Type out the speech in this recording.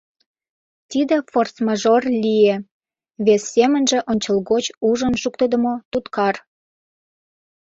Тиде «форс-мажор» лие, вес семынже — ончылгоч ужын шуктыдымо туткар.